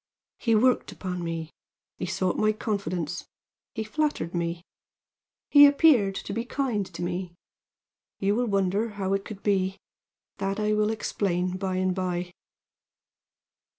He worked upon me. He sought my confidence. He flattered me. He appeared to be kind to me. You will wonder how it could be. That I will explain by and by.